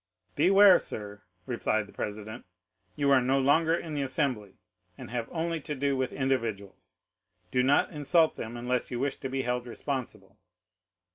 "Beware, sir," replied the president, "you are no longer in the assembly, and have only to do with individuals; do not insult them unless you wish to be held responsible."